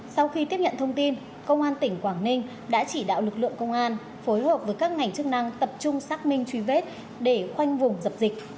sau khi tiếp nhận thông tin công an tỉnh quảng ninh đã chỉ đạo lực lượng công an phối hợp với các ngành chức năng tập trung xác minh truy vết để khoanh vùng dập dịch